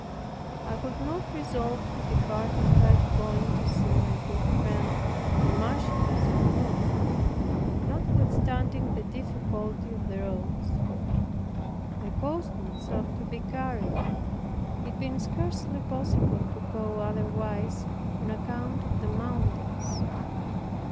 I could not resolve to depart without going to see my good friend, the Marchioness of Prunai, notwithstanding the difficulty of the roads. I caused myself to be carried, it being scarcely possible to go otherwise on account of the mountains.